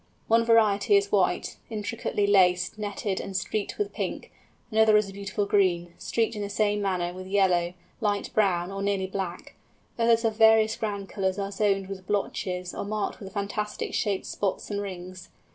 One variety is white, intricately laced, netted, and streaked with pink; another is a beautiful green, streaked in the same manner with yellow, light brown, or nearly black; others of various ground colours are zoned with blotches, or marked with fantastic shaped spots and rings.